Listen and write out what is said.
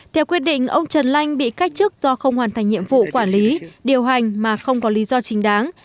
theo quyết định ông trần lanh bị cách chức do không hoàn thành nhiệm vụ quản lý điều hành mà không có lý do chính đáng